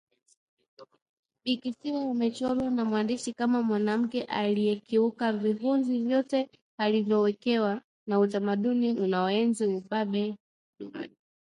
Bikisiwa amechorwa na mwandishi kama mwanamke aliyekiuka vihunzi vyote alivyowekewa na utamaduni unaoenzi ubabe dume